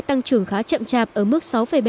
tăng trưởng khá chậm chạp ở mức sáu bảy